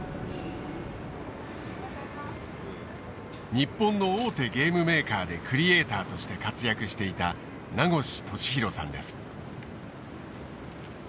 日本の大手ゲームメーカーでクリエーターとして活躍していた名越稔洋さんです。